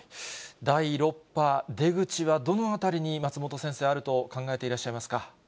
第６波、出口はどのあたりに、松本先生、あると考えていらっしゃいますか。